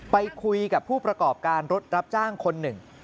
ไปคุยกับผู้ประกอบการรถรับจ้างคนหนึ่ง